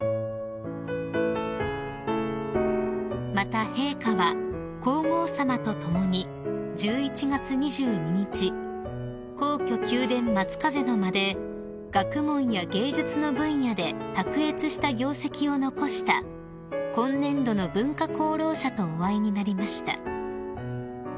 ［また陛下は皇后さまと共に１１月２２日皇居宮殿松風の間で学問や芸術の分野で卓越した業績を残した今年度の文化功労者とお会いになりました］